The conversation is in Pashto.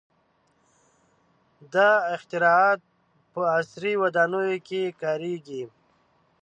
• دا اختراعات په عصري ودانیو کې کارېږي.